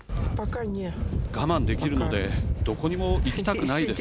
我慢できるのでどこにも行きたくないです。